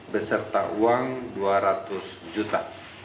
beserta uang dua ratus juta